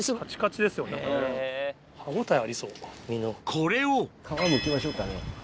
これを皮むきましょうか。